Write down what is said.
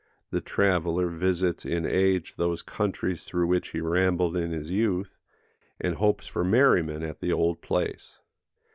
The traveller visits in age those countries through which he rambled in his youth, and hopes for merriment at the old place.